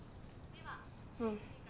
うん。